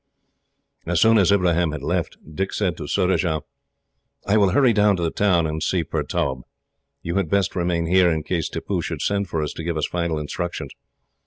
As soon as the man had left, Dick said to Surajah: "I will hurry down to the town and see Pertaub. You had best remain here, in case Tippoo should send for us to give us final instructions.